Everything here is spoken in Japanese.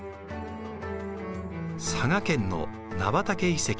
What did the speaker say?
佐賀県の菜畑遺跡。